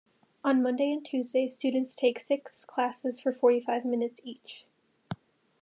On Monday and Tuesday, students take six classes for forty-five minutes each.